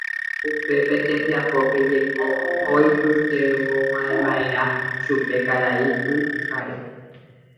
Upe tembiapópe jeko oipytyvõmiva'erã chupe Karai Pyhare.